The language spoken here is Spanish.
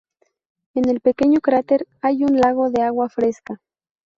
En el pequeño cráter hay un lago de agua fresca.